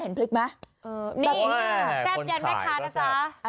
แซ่บจันแมคคาดน่ะ